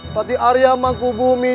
patih arya mangkubung